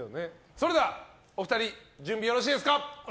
それではお二人準備よろしいですか。